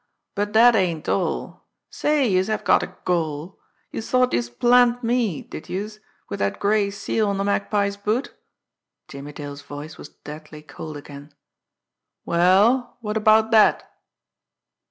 "But dat ain't all. Say, youse have got a gall! Youse thought youse'd plant me, did youse, wid dat gray seal on de Magpie's boot!" Jimmie Dale's voice was deadly cold again. "Well, what about dat?"